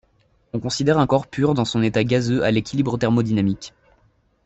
On considère un corps pur dans son état gazeux à l'équilibre thermodynamique.